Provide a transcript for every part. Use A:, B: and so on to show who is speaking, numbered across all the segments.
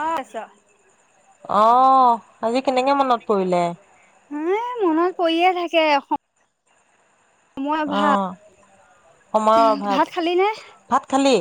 A: অ আছ
B: আহ আজি কেনেঙে মনত পৰিলে
A: এ মনত পৰিয়ে থাকে অসম
B: অ সময়ৰ
A: ভাত
B: অভাৱ
A: খালি নে?
B: ভাত খালি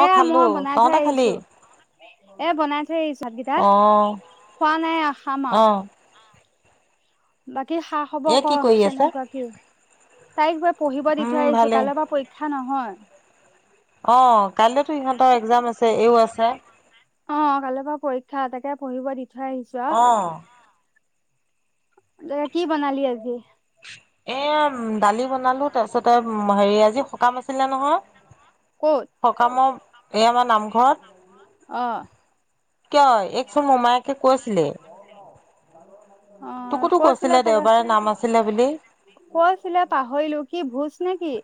B: অ
A: এয়া
B: খালো
A: মই বনাই থৈ
B: তহতে খালি
A: আহিছো
B: [unintelligible]
A: এ বনাই জাদকেইটা
B: অ',
A: খোৱা নাই আহ খাম আৰু
B: অ',
A: বাকী [unintelligible] কি সাহ হব
B: এ
A: ক
B: কি কৰি আছে?
A: কেনেকুৱা কি তাইক বাৰ পঢ়িব দি থৈ
B: উম,
A: আহিছো
B: ভালেই।
A: কালৰ পৰা পৰীক্ষা ন [unintelligible] হয়।
B: অ কাইলে তো ইিহঁতৰ একজাম আছে এইয়ো আছে
A: অ কালি পৰা পৰীক্ষা এ তাকে পঢ়িব দি ছো আও
B: অ'।
A: [unintelligible] এ কি বনালি আজি
B: এ দালি বনালো তাৰপিছতে হেৰি আজি সকাম আছিলে নহয়
A: ক'ত
B: সকামৰ এই আমাৰ নামঘৰত
A: অ',
B: [unintelligible] কিয় এইকচোন মোমায়েকে কৈছিলেই
A: [unintelligible] অ'
B: তোকোতো
A: কৈচিলে
B: কৈছিলে
A: চাগে,
B: দেওবাৰে নাম আছিলে বুলি।
A: কৈচিলে পাহৰিলো কি ভোজ নে কি?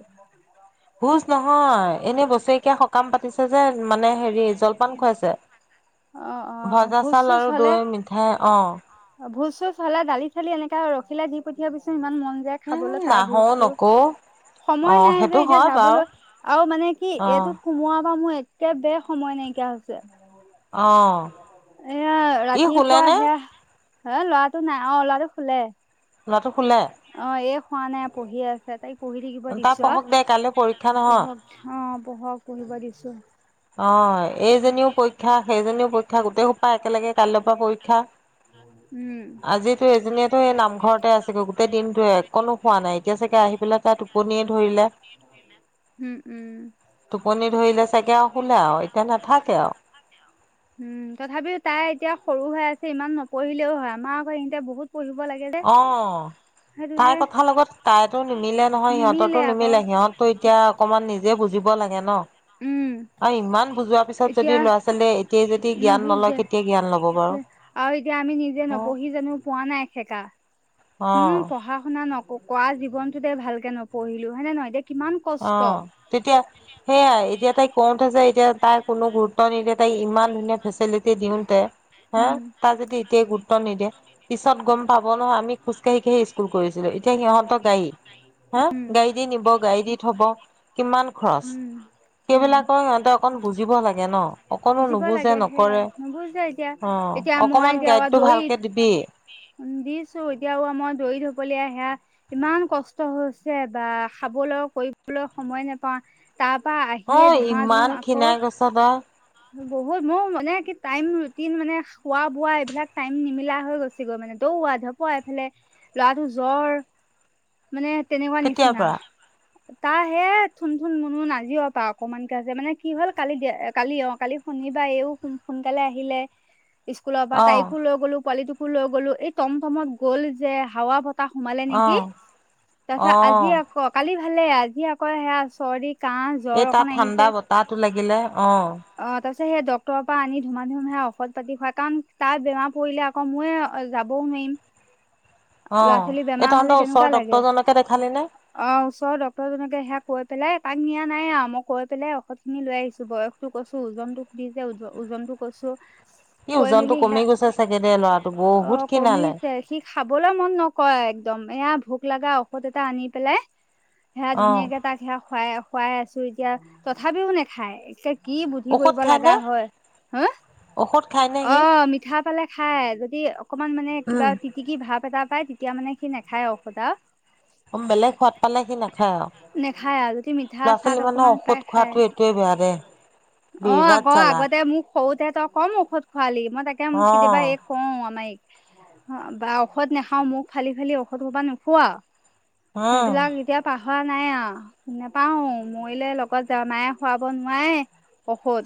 B: ভোজ নহয় এনে বছৰেকীয়া সকাম পাতিছো। যে মানে হেৰি জলপান খুৱাইছে,
A: অ', অ',
B: ভজা
A: ভোজ
B: চাউল
A: চোজ
B: আৰু দৈ মিঠাই অ'।
A: পিচলে দালি চালি এনেকা ৰখিলে দি পঠিয়াবিছোন ইমান ম যায়
B: উম
A: খাবলৈ তাৰ
B: নাহও
A: বস্তু
B: নকও
A: সময়
B: অ'
A: নাই যে
B: সেইটো
A: এতিয়া
B: হয় বাৰু
A: যাবলৈ আৰু মানে কি
B: অ'
A: এইটোত সোমোৱাৰ পা মোৰ [unintelligible] সময় নাইকিয়া হৈছে।
B: অ' ই শোলেনে?
A: এ ল'ৰাটো নাই অ ল'ৰাটো শুলে।
B: ল'ৰাটো শুলে
A: অ' এই শুৱা নাই। পঢ়ি আছে তাই। পঢ়ি থাকিব
B: তাৰ
A: দিছো
B: পঢ়ক দে কাইলৈ পৰীক্ষা
A: আৰু
B: নহয়
A: পঢ়ক অ' পঢ়ক পঢ়িব দিছো। [unintelligible]
B: অ' এইজনীৰো পৰীক্ষা, সেইজনীৰো প গোটেই সোপা একেলগে কাইলৈৰ পৰা পৰীক্ষা।
A: উম
B: আজিতো এজনীয়েতো এই নামঘৰতে আছে। গোটেই দিনটো এক অকণো শুৱা নাই এতিয়া চাগে আহি পেলাই তাই টোপনিয়ে ধৰিলে,
A: উম
B: টোপনি ধৰিলে চাগে আও
A: হুম তথাপিও তাই এতিয়া সৰু হৈ আছে ইমান নপঢ়িলেও হয়, আমাৰ আকৌ ইহঁতে বহুত। পঢ়িব লাগে যে
B: অ' তাইৰ
A: সেইটোহে।
B: কথাৰ লগত তাইতো নিমিলে নহয় সিহঁতৰতো নিমিলে সিহঁতটো এতিয়া অকমান নিজে বুজিব। লাগে ন?
A: উম,
B: আৰু ইমান বুজোৱাৰ পিছত যদি
A: এতিয়া
B: ল'ৰা ছোৱালীয়ে এতিয়াই যদি জ্ঞান নলয়
A: নুবুজে
B: কেতিয়া জ্ঞান ল'ব বাৰু
A: আৰু এতিয়া আমি নিজে নপঢ়ি জানো পোৱা নাই সেকা।
B: অ
A: উম পঢ়া শুনা নক কৰা জীৱনতোতে ভালকে নপঢ়িলো হয়নে নহয়। দে
B: অ' তেতিয়া সেইয়াই এতিয়া। তাই ক'ত আছে এতিয়া। তাই কোনো গুৰুত্ব নিদিয়ে। তাই ইমান ধুনীয়া ফেচেলিটি দিওতে হা,
A: উম
B: তাৰ যদি এতিয়াই গুৰুত্ব নিদিয়ে, পিছত গম পাব নহয় আমি খোজ কাঢ়ি কাঢ়ি স্কুল কৰিছিলো । এতিয়া সিহত গাড়ী অ'
A: উম
B: গাড়ী দি নিব গাড়ী দি হ'ব কিমান খৰচ,
A: উম উম
B: সেইবিলাকৰ সিহঁতে অকণ বুজিব লাগে ন অকনো
A: বুজিব
B: নুবুজে
A: লাগে সেয়াই
B: নকৰে
A: নুবুজে এতিয়া
B: অ
A: এতিয়া মই
B: অকমান
A: এতিয়া
B: গাইডটো
A: দৈ
B: ভালকে দিবি।
A: বলিয়া সেয়া ইমান কষ্ট হৈছে বাহ খাবলৈও কৰিবলৈও সময় নেপাওঁ। তাপা
B: অ
A: আহিয়ে ধুমা- ধুম
B: ইমান
A: আকৌ
B: খীণাই গৈছ তই
A: বহুত মোৰ মানে টাইম ৰুটিন মানে খোৱা বোৱা এইবিলাক টাইম নিমিলা হৈ গৈছেগৈ মানে দৌৰা ধপৰা এইফালে ল'ৰাটোৰ জ্বৰ মানে তেনেকুৱা
B: কেতিয়াৰ
A: নিচিনা
B: পৰা
A: তাৰ হে থুন থুন মুন মুন আজি অপা অকমানকে আছে মানে কি হ'ল কালিয় কালি অ কালি শনিবাৰে এইও সোনকালে আহিলে স্কুলৰ পৰা
B: অ
A: তাইকো লৈ গ'লো পোৱালিটোক কো লৈ গ'লো এই টমটমত গ'ল যে হাৱা ব বতাহ সোমালে
B: অ
A: নেকি কি? তাৰ পিছত
B: অ
A: আজি আকৌ কালি ভালে আজি আকৌ সেয়া চৰ্দি কাহ জ্বৰ
B: এই তাত
A: অকন আহিছে
B: ঠাণ্ডা বতাহটো লাগিলে অ।
A: অ তাৰপিছত সেই ডক্তৰৰ পৰা আনি ধুমাধুম সেইয়া ঔষধ-পাতি খুৱাই কাৰণ তাৰ বেমাৰ পৰিলে আকৌ মোৰে যাবও নোৱাৰিম।
B: অ
A: ল'ৰা ছোৱালী
B: এ
A: বেমাৰ
B: তহঁত
A: হলে
B: ওচ
A: কেনেকুৱা লাগে অ ওচৰৰ ডক্তৰ এজনকে সেয়া কৈ পেলাই সেই তাক নিয়া নাই আৱ মই কৈ পেলাই ঔষধ খিনি লৈ আহিছোঁ বয়সটো কৈছোঁ ওজনতো সুধিছে ওজ ওজনো কৈছোঁ
B: এ ওজনটো কমি গৈছে চাগে দে ল'ৰাটো বহুত খিনালে
A: খাবলে মন নকৰে একদম এয়া ভোক লগা ঔষধ এটা আনি পেলাই সেয়া
B: অ
A: ধুনীয়াকে তাক সেয়া খুৱাই খুৱাই আছোঁ এতিয়া তথাপিও নেখায় কি বুদ্ধি
B: ঔষধ
A: কৰিব লগা
B: খায়নে
A: হয় হ
B: ঔষধ খায়নে সি
A: অ মিঠা পালে খাই যদি অকমান মানে কিবা তিতিকি ভাপ এটা পায় এতিয়া মানে কি নেখ খাই ঔষধ
B: বেলেগ সোৱাদ পালে সি নাখায়
A: নেখায় যদি মিঠা
B: আৰু ল'ৰা
A: চাট
B: ছোৱালী মানে
A: অকমান পাই
B: ঔষধ
A: খায়।
B: খোৱাটো এইটোৱে বেয়া দে
A: অ', আকৌ
B: বিৰাট জ্বালা
A: আগতে মোক সৰুতে তই কম ঔষধ খোৱালি
B: অ',
A: মই অ' বা ঔষধ নাখাও মোক ফালি ফালি ঔষধ [unintelligible] নোখোৱা?
B: উম,
A: সেইবিলাক এতিয়া পাহ পাহৱা নাই আৱ নেপাহঁও মৰিলে লগত যা মায়ে খোৱাব নোৱাৰে ঔষধ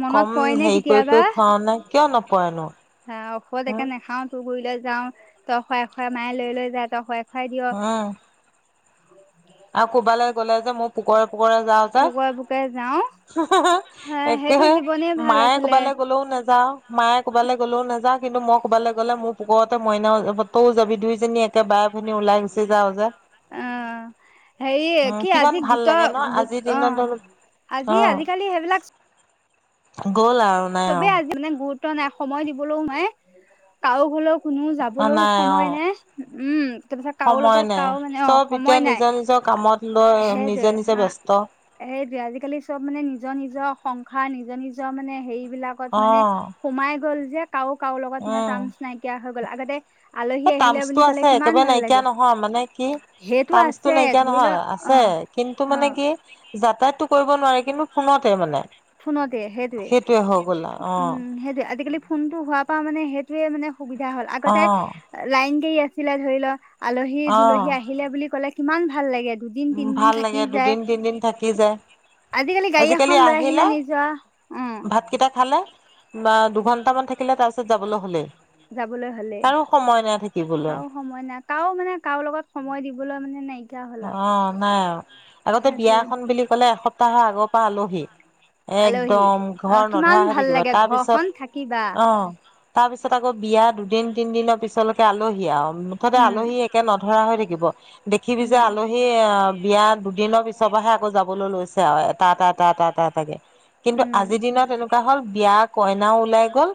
A: মনত
B: কম
A: পৰে নে
B: হেৰি কৰি কৰি খুৱাও নে কিয় নপৰেনো
A: হা ঔষধ
B: উম,
A: একে নেখাওঁ তো ফুৰিবলে যাওঁ তই খোৱায় খোৱায় মায়ে লৈ লৈ যায় তই খোৱায়
B: অ আৰু কোবালে গ'লে যে মোৰ পোকৰে পোকৰে যাওঁ যে
A: পুকুৰে পুকুৰে যাওঁ
B: হো হো হো
A: হে সেইটো
B: একেহে
A: জীৱনেই ভাল
B: মায়ে
A: আছিলে
B: ক'বালৈ গ'লেও নাজয যাওঁ মায়ে ক'বৈ গলেও নাযা কিন্তু মোক কবাত লৈ গলে মোৰ পোকত ত মইনা যাব তই যাবি দুইজনী একে বায়ে ভিনী ওলাই গুছেি যাওঁ যা
A: [unintelligible] হেৰি কি আজি গোট
B: ন'
A: গোট
B: আজিৰ
A: অ
B: দিনত ধৰি
A: আজি
B: অ',
A: আজিিকালি সেইবিলাক
B: গ'ল আৰু নাই আৰু
A: চবেই আজি মানে গুৰুত্ব নাই সময় দিবলৈও নাই কাৰক হলেও কোনো
B: অ',
A: যাবলৈও
B: নাই
A: সময়
B: অ',
A: নাই উম। তাৰ পাছত কাৰো
B: সময়
A: লগত
B: নাই।
A: কাৰো মানে অ
B: চব এতিয়া
A: সময় নাই
B: নিজৰ নিজৰ কামত লৈ নিজে
A: সেইটয়ে
B: নিজে
A: অ
B: ব্যস্ত
A: সেইটয়ে আজিকালি চব মানে নিজৰ নিজৰ খা নিজৰ নিজৰ মানে হেৰি বিলাকত মানে
B: অ',
A: সোমাই গ'ল যে । কাো কাৰো লগত মানে
B: উম।
A: টানচ নাইকিয়া হৈ গল আগতে আলহী
B: এই
A: আহিলে
B: টাৰ্মচটো
A: বুলি কলে
B: আছে একেবাৰে
A: কিমান ভাল
B: নাইকিয়া
A: লাগে
B: নহয় মানে কি
A: সেইটো
B: টাৰ্মচটো
A: আছে
B: নাইকিয়া
A: ধৰি লোৱা
B: নহয়
A: অ
B: আছে কিন্তু
A: অ
B: মানে কি যাতায়াতটো কৰিব নোৱাৰি কিন্তু ফোনতে মানে
A: ফোনতে সেইটয়ে
B: সেইটোৱে হৈ গ'ল আৰু। অ
A: উম সেইটে আজিকালি ফোনটো হোৱাৰ প পৰা মানে সেইটোয়ে মানে সুবিধা হ'ল
B: অ
A: আগতে লাইন গাৰি [unintelligible] আছে চিলা ধৰি লা আলহী
B: অ
A: দুলহী আহিলে বুলি ক'লে । কিমান ভাল লাগে দুদিন
B: উ
A: তিনদিন
B: ভাল লাগে
A: থাকি যায়
B: দুদিন তিনদিন থাকি যায়
A: গাড়ী
B: আজিকালি
A: এখন লৈ
B: আহি
A: আহিলে নিজৰ
B: ভ
A: উম
B: খ দু ঘণ্টামান থাকিলে তাৰপিছত যাবলৈ হ'লে
A: যাবলৈ হ'লে
B: থাকিবলৈ
A: কাৰ সময় নাই কাৰাও মানে কাৰ লগত সময় দিব [unintelligible] মানে নাই।
B: অ নাই আগতে
A: সেইটোৱে
B: বিয়াখন বুলি কলে এসপ্তাহৰ আগৰ পৰা আলোহি ।
A: আলহী
B: একদম
A: অ
B: ঘৰ নধৰা
A: কিমান
B: হৈ
A: ভাল
B: থাকিবা
A: লাগে
B: তাৰপিছত
A: ঘৰখন থাকিবা
B: আহ। তাৰ পিছত আকৌ বিয়া দুদিন তিন দিনৰ পিছলৈকে আলহী আৰু মুঠতে
A: উম
B: আলহী একে নধৰা হৈ থাকিব দেখি যে
A: উম
B: আলহী অ বিয়াাৰ দুদিনৰ পিছৰ পৰাহে আকৌ যাবলৈ লৈছে আৰু এটা এটা এটা এটা এটা এটাকে কিন্তু
A: উম
B: আজিৰ দিনত এনেকুৱা হল বিয় কইনাও ওলাই গ'ল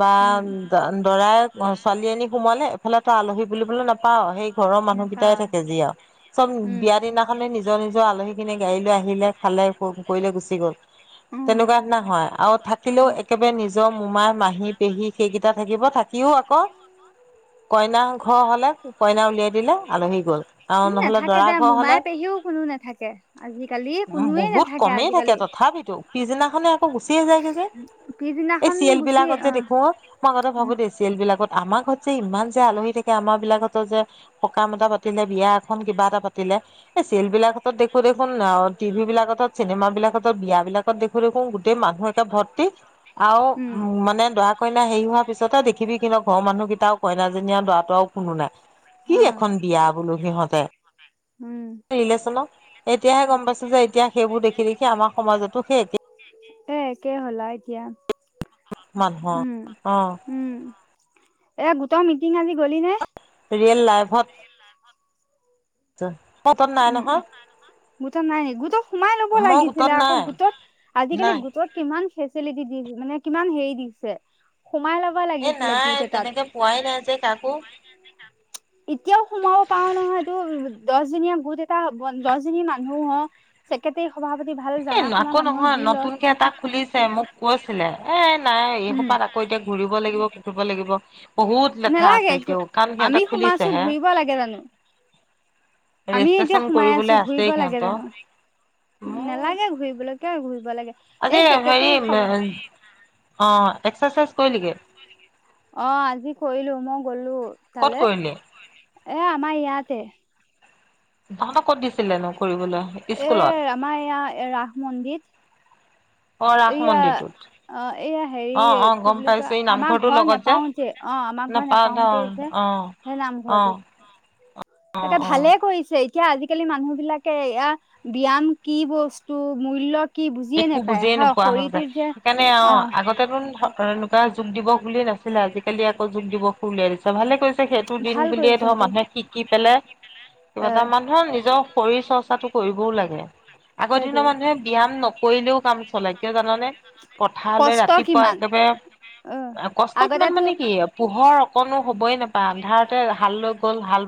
B: বা
A: উম
B: দ দৰা অ ছোৱালীজনী সোমালে এফালে তো আলহী বুলিবলৈ নাপা সেই ঘৰৰ মানুহকেইটাই
A: নেপাওঁ
B: থাকে যেিয়য়া চব
A: উম
B: বিয়া দিনাখনে নিজৰ নিজৰ আলহীখিনি গাড়ী লৈ আহিলে খালে কৰিলে গুচি গল
A: উম
B: তেনেকুৱা দিনা হয় আৰু থাকিলেও
A: উম।
B: একেবাৰে নিজৰ মোমাই মাহী পেহী সেইকেইটা থাকিব থাকিও আকৌ কইনা ঘৰ হলে কইনা উলিয়াই ।
A: মই উলিয়াই দিলে ভাল নাথাকে দো
B: ঘৰ হলে
A: মোমাই পেহীও কোনো নাথাকে আজিকালি কোনোৱে
B: বহুত
A: নাথাকে
B: কমেই থাকে
A: আজিকালি
B: তথাপিতো পিছদিনাখনে আকৌ গুচিয়ে জাইগে যে, এই
A: পিছদিনাখন
B: চিৰিএল
A: গুচি
B: বিলাকত যে দেখো, অ মই আগতে
A: উম
B: ভাবো দেই চিএল বিলাকত- আমাৰ ঘৰত যে ইমান যে আলহী থাকে আমাৰ বিলাকতো যে পকা মতা পাতিলে বিয়া খন কিবা এটা পাতিলে এই চেল বিলাক দেখো দেখোন অ' টিভি বিলাক চিনেমা বিলাকতো বিয়া এইলাকত দেখো দেখো গোটেই মানুহে ভৰ্তি আৰু
A: উম
B: উ মানে দৰা কইনা হেৰি হোৱাৰ পিছতে দেখিবি কিন্ত ঘৰৰ মানুহ কেইটা কইনাজনীয়ে দৰাতটো আৰু কোনো নাই কি
A: অ
B: এখন বিয়া বোলো সিহঁত
A: উম।
B: এতিয়াহে গম পছে যে এতিয়া সেইবোৰ দেখি দেখি আমাৰ সমাজতো সেই এক
A: এ একেই হ'লা এতিয়া
B: মানুহৰ অ'
A: এয়া গোটৰ মিটিং আজি গলি নে?
B: ৰিয়েল লাইফত [unintelligible]
A: উম উ
B: নহয়
A: গোট নাই ন গোট সোমাই লব
B: মই গোটত
A: লাগিছিলে আকৌ
B: নাই
A: গোটত আজিকালি
B: নাই
A: গোটত কিমান ফেচিলিটি। মানে কিমান হেৰি দিছে সোমাই লব
B: এ
A: লাগিছিলে
B: নাই
A: গোট এটাত
B: তেনেকে পোৱাই নাই
A: [unintelligible]
B: যে কাকো
A: এতিয়াও সোমাব পাৰও নহয় ইটোত দছ দিনীয়া বহুত এটা [unintelligible] মানুহ হ চকেতে
B: এ আকৌ নহয় নতুনকে এটা খুলিছে মোক কৈছিলে এ নাই এই
A: উম
B: সোপাত আকৌ এতিয়া ঘুৰি লাগিব লাগিব। বহুত লেঠা আছে
A: নালাগে
B: এতিয়াও কাৰণ সিহঁতে
A: আমি সোমাইছো
B: খুলিছেহে
A: ঘুৰিব লাগে জানো আমি এতিয়া
B: ৰেজিষ্ট্ৰেচন
A: সোমাই আছো
B: কৰিবলৈ
A: ঘুৰিব
B: আছেই
A: লাগে
B: সিহঁতৰ
A: জানো নালাগে ঘুৰিবলৈ। ক
B: আজি হেৰি অ
A: [unintelligible]
B: এক্সাৰচাইজ কৰিলিগে
A: অ আজি কৰিলো মই গলো
B: ক'ত
A: ইফালে
B: কৰিলি
A: এ আমাৰ ইয়াতে
B: তাহততে ক'ত দিছিলেনো কৰিবলৈ?
A: এ
B: স্কুলত
A: আমাৰ ইয়া ৰাস মন্দিৰ।
B: অ ৰাস
A: এইয়া
B: মন্দিৰটোত
A: অ, এইয়া হেৰি
B: অ অ
A: কি
B: গম
A: বুলি কয়,
B: পাইছো এই
A: আমাৰ
B: নামঘৰটোৰ
A: ঘৰ
B: লগত যে
A: নেপাওতে অ আমাৰ ঘৰ
B: নাপাওঁ
A: নেপাওতে যে
B: অ
A: সেই
B: অ
A: নামঘৰটোত,
B: অ
A: তাকে
B: অ
A: ভালে কৰিছে- এতিয়া আজিকালি মানুহ বিলাকে এয়া ব্যয়ায়াম কি বস্তু মুল্য কি বুজিয়ে নোপায় আহ।
B: কোৱা হক যায় সেইকাৰণে অ' আগতেতোন তেনেকুৱা যোগ দিৱস বুলিয়ে নাছিলে আজিকালি আকৌ যোগ দিৱস উলিয়াই দিছে ভালে কৈছে। সেইটো দিন
A: ভাল
B: বুলিয়ে
A: কৰিছে
B: ধৰ
A: সেইটো
B: মানুহে শিকি পেললে কিবা
A: অ
B: এটা মানুহৰ নিজৰ শৰীৰ চৰ্চাটো কৰিবও লাগে। আগৰ দিনৰ
A: সেইটোৱে
B: মানুহে ব্যায়াম নক কৰিলেও কাম চলে কিয় জানানে পথাৰলৈ
A: কষ্ট
B: ৰাতিপুৱা
A: কিমান
B: একেবাৰে
A: অ
B: কষ্ট কিমান
A: আগতেতো
B: মানে কি পোহৰ অকনো হবই নাপায় আন্ধাৰতে হাল লৈ গ'ল হাল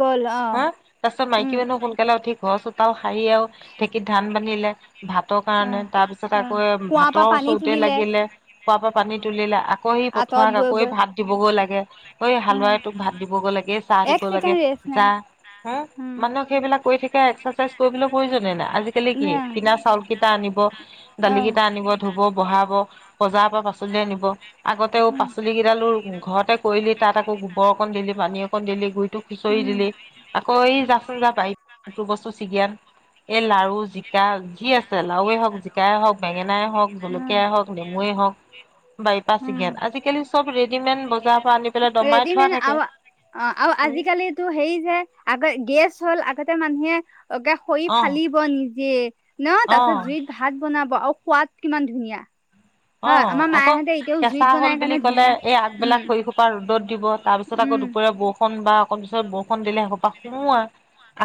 A: গ'ল অ
B: হা তাৰ পিছত মাইকী
A: উম
B: মানুহ সোনকালে উঠি ঘৰ চোতাও সাৰি আৰু ঢেঁকিত ধান বান্ধিলে ভাত ভাতৰ
A: অ
B: কাৰণে তাৰ পিছত
A: অ
B: আকৌ
A: কুঁৱাৰ
B: ভাতৰ
A: পৰা পানী
B: ওচৰতে
A: তুলিলে
B: লাগিলে খোৱা পানী তুলিলা আকৌ সি
A: আঁতৰত
B: পঠোৱা
A: গৈ
B: কাকৰে
A: গৈ
B: ভাত দিবগৈ লাগে। ঐ
A: অ
B: হালোৱাই তোক ভাত দিবগৈ লাগে চাহ
A: এক
B: দিব লাগে
A: ছেকেণ্ড ৰেষ্ট নাই
B: জা হ
A: উম।
B: মানুহক সেইবিলাক ক থাকে এক্সাৰচাইজ কৰিবলৈ প্ৰয়োজন নাই আজিকালি কি কিনা চাউল ক কটা আনিব দালি কেইটা আনিব ধুব বহাব। বজাৰ পৰা পাচলি আনিব আগতে পাচলিকেইডালো ঘৰতে কৰিলি তাত আকৌ গোবৰ অকণ দিলি পানী অকণ দিলি গুৰিটো খুচৰি
A: উম,
B: দিলি আকৌ এই যাচোন যা পাৰটো বস্তু ছিগিয়ান এই লাৰু জিকা যি আছে লাাৱৱে হওক জিকাই হওক বেঙেনাই হওক
A: উম,
B: জলকীয়াই হওক নেমুৱে হওক। বাই
A: উম,
B: [unintelligible] আজিকালি চব ৰেডিমেড বস্তু বজাৰ পৰা আনি পেলাই দমাই থোৱা
A: ৰেডিমেড
B: থাকে।
A: আৰু অ আৰু
B: উম,
A: আজিকালিটো হেৰি যে আগ গেছ হ'ল আগতে মানুহে অকে খৰি
B: অ',
A: ফালিব নিজে ন তাৰ পিছত
B: অ',
A: জুইত ভাত বনাব আৰু সোৱাদ কিমান ধুনীয়া।
B: অ
A: হয় আমাৰ
B: আকৌ
A: মায়েহঁতে এতিয়াও
B: কেঁচা
A: জুইত
B: হল
A: বনাই
B: বুলি
A: কাৰণে
B: কলে
A: ধুনীয়া
B: এই
A: উম,
B: আগবিলাক শুই খোপাৰ। ৰ'দত দিব তাৰ পিছত আকৌ
A: উম,
B: দুপৰীয়া বৰষুণ বা অ পিছত বৰষুণ দিলে হেইহুপা সোমোৱা।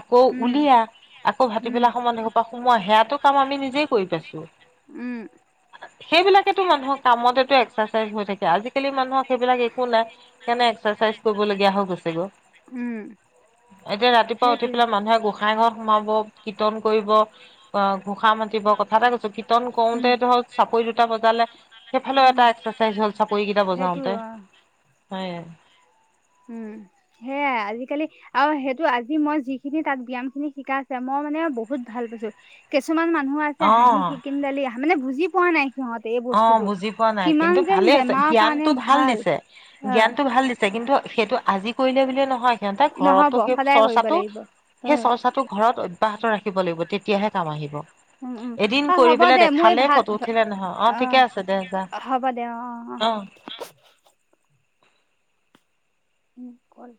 B: আকৌ
A: উম,
B: উলিয়া আকৌ
A: উম।
B: ভাটবেলাক সময়ত সেইবিলাক সোমোৱা সেয়াতো কাম আমি নিজেই কৰি পাইছো।
A: উম।
B: মানুহৰ কামটো এক্সাৰচাইজ হৈ থাকে আজিকালি মানুহক সেইবিলাক একো নাই সেইকাৰণে এক্সাৰচাইজ কৰিবলগীয়া হৈ গৈছেগ
A: উম,
B: এতিয়া ৰাতিপুৱা উঠি পেলাই মানুহে গোসাই ঘৰত সোমাব
A: সেইটোৱে।
B: কিৰক্তন কৰিব অ' ঘোষা মাতিব কথা এটা কৈছো কীৰ্তন কওঁতে ধৰক চাপৰি দুটা বজাত সেইফালেও
A: উম,
B: এটা এক্সাৰচাইজ হল চাপৰি কেইটা
A: সেইটো
B: বজাওতে
A: অ',
B: হয়
A: উম সেয়াই আজিকালি আৰু সেইটো আজি মই যিখিনি তাত ব্যায়াম খিনি শিকাইছে মই মানে বহুত ভাল পাইছো কিছুমান মানুহ আছে
B: অ
A: হাঁহি শিকিন দালি তাৰ মানে বুজি পোৱা নাই। সিহঁতে এই
B: অ
A: বস্তুটো।
B: বুজি পোৱা নাই
A: কিমান
B: কিন্তু
A: যেন
B: ভালে আছে
A: বেমাৰৰ কাৰণে
B: জ্ঞানটো ভাল দিছে
A: অ',
B: জ্ঞানটো ভাল দিছে কিন্তু সেইটো আজি কৰিলে বুলিয়ে নহয় সিহঁতে ঘৰতো
A: নহ'ব
B: সেই
A: সদায় কৰিব
B: চৰ্চাটো
A: লাগিব।
B: সেই
A: উম,
B: চৰ্চাটো ঘৰত অব্যাহত ৰাখিব লাগিব তেতিয়াহে কাম আহিব।
A: উম, উম,
B: এদিন
A: অ',
B: কৰি
A: হ'ব
B: পেলাই
A: দে মোৰ এই
B: দেখালে
A: ভাল
B: ফটো উঠিলে নহয় অ
A: অ,
B: ঠিকে আছে দে যা
A: হ'ব দে। অ অ। ই কল